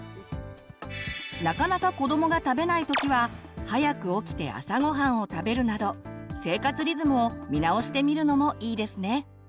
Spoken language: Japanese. なかなか子どもが食べない時は早く起きて朝ごはんを食べるなど生活リズムを見直してみるのもいいですね。